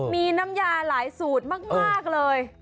มีน้ำยาหลายสูตรมากเลย